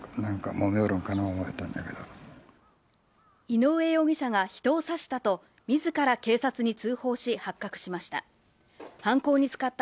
井上容疑者が人を刺したと、みずから警察に通報し発覚しました。